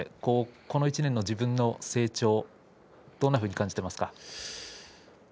この１年の自分の成長どう考えていますか。